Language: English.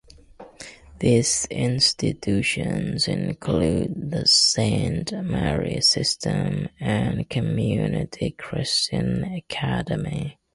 These institutions include the Saint Mary System and Community Christian Academy.